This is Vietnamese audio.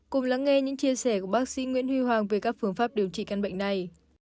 cùng lắng nghe những chia sẻ của bác sĩ nguyễn huy hoàng về các phương pháp điều trị căn bệnh này